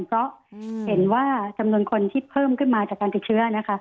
เพราะเห็นว่าจำนวนคนที่เพิ่มขึ้นมาจากการติดเชื้อนะคะ